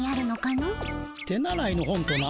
手習いの本とな？